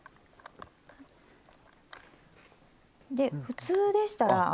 で普通でしたら。